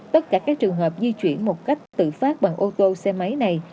tất cả các trường hợp di chuyển một cách tự phát bằng ô tô xe máy này